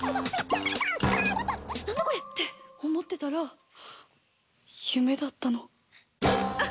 なんだこれっておもってたらゆめだったの。